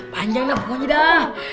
panjang dah pokoknya dah